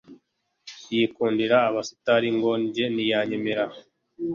yikundira abasitari ngo njye ntiyanyemera